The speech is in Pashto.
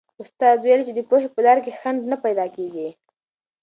استاد وویل چې د پوهې په لار کې خنډ نه پیدا کېږي.